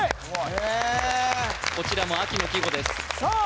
へえこちらも秋の季語ですさあ